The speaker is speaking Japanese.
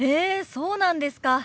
そうなんですか。